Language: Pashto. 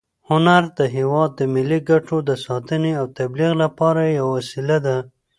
هنر د هېواد د ملي ګټو د ساتنې او تبلیغ لپاره یوه وسیله ده.